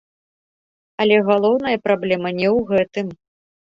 Але галоўная праблема не ў гэтым.